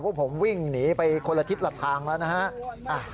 พวกผมวิ่งหนีไปคนละทิศละทางแล้วนะฮะ